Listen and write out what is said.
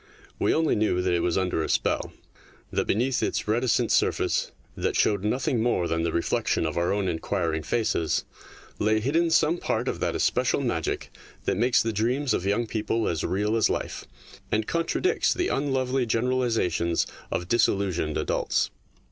We only knew that it was under a spell, that beneath its reticent surface, that showed nothing more than the reflection of our own inquiring faces, lay hidden some part of that especial THE MAGIC POOL 21 magic that makes the dreams of young people as real as life, and contradicts the unlovely generalisations of disillusioned adults.